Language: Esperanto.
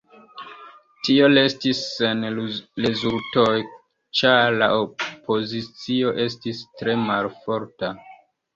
Tio restis sen rezultoj, ĉar la opozicio estis tre malforta.